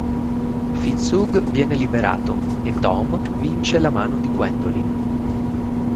Fitzhugh viene liberato e Tom vince la mano di Gwendolyn.